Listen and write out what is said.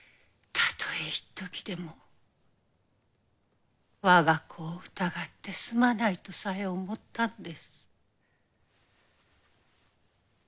たとえ一時でも我が子を疑ってすまないとさえ思ったのです。